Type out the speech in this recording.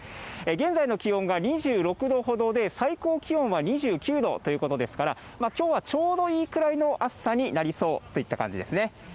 現在の気温が２６度ほどで、最高気温は２９度ということですから、きょうはちょうどいいくらいの暑さになりそうといった感じですね。